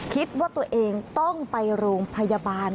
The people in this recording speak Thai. คิดว่าตัวเองต้องไปโรงพยาบาล